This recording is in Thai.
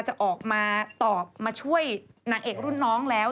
จะออกมาตอบมาช่วยนางเอกรุ่นน้องแล้ว